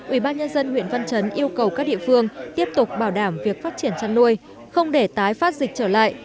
ubnd huyện văn chấn yêu cầu các địa phương tiếp tục bảo đảm việc phát triển chăn nuôi không để tái phát dịch trở lại